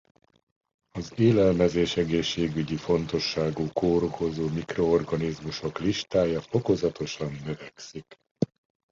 Az élelmezés-egészségügyi fontosságú kórokozó mikroorganizmusok listája fokozatosan növekszik.